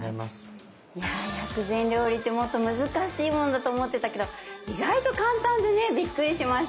薬膳料理ってもっと難しいものだと思ってたけど意外と簡単でねびっくりしました。